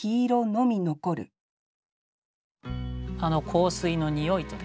香水の匂いとですね